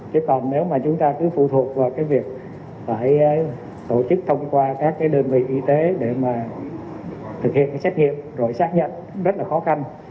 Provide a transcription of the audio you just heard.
chứ còn nếu mà chúng ta cứ phụ thuộc vào cái việc phải tổ chức thông qua các cái đơn vị y tế để mà thực hiện cái xét nghiệm rồi xác nhận rất là khó khăn